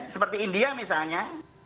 seperti india misalnya